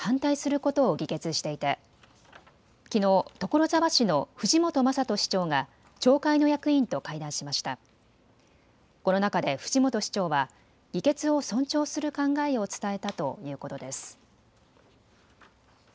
この中で藤本市長は議決を尊重する考えを伝えたということです。